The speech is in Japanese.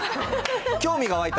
興味が湧いた？